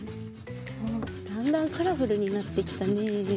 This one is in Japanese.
あっだんだんカラフルになってきたね。